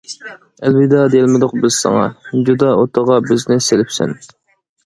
ئەلۋىدا دېيەلمىدۇق بىز ساڭا، جۇدا ئوتىغا بىزنى سېلىپسەن.